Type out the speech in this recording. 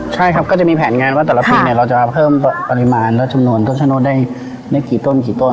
ใช่ครับก็จะมีแผนงานว่าแต่ละปีเนี่ยเราจะเพิ่มปริมาณและจำนวนต้นชะโนธได้กี่ต้นกี่ต้น